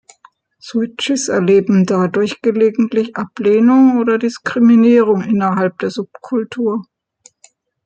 Switches erleben dadurch gelegentlich Ablehnung oder Diskriminierung innerhalb der Subkultur.